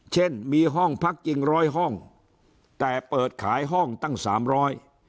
เช่นมีห้องพักจริงร้อยห้องแต่เปิดขายห้องตั้งสามร้อย